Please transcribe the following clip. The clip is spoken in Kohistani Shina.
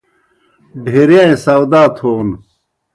ڈھیرِیائیں ساؤدا تھون